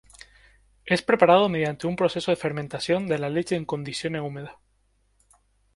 Es preparado mediante un proceso de fermentación de la leche en condiciones húmedas.